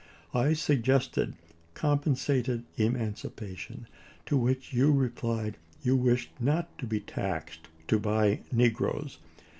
I suggested compensated emancipa tion, to which you replied you wished not to be taxed to buy negroes.